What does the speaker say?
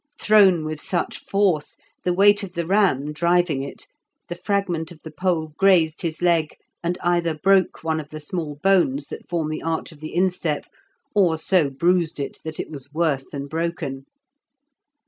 Thrown with such force, the weight of the ram driving it, the fragment of the pole grazed his leg, and either broke one of the small bones that form the arch of the instep, or so bruised it that it was worse than broken.